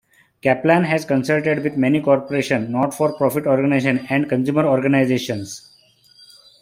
Caplan has consulted with many corporations, not-for-profit organizations, and consumer organizations.